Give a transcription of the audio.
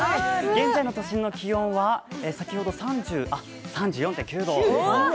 現在の都心の気温は先ほど３４．９度。